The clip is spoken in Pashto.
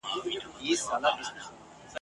نه به بیا هغه ارغوان راسي !.